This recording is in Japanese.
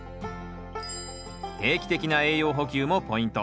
定期的な栄養補給もポイント。